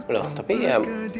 loh tapi ya